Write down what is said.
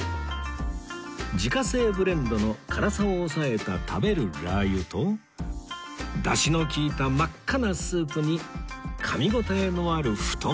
自家製ブレンドの辛さを抑えた食べるラー油とダシの利いた真っ赤なスープにかみ応えのある太麺